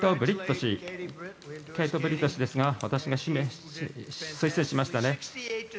ケイト・ブリット氏ですが私が推薦しましたね。